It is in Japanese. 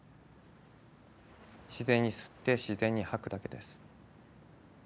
自然に吸って自然に吐くだけです。